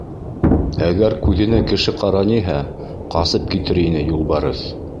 Әгәр күҙенә кеше ҡараниһә, ҡасып китер ине юлбарыҫ.